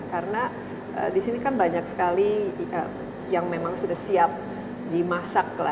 karena di sini kan banyak sekali yang memang sudah siap dimasak